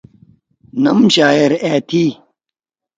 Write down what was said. نم شاعر أ تھی۔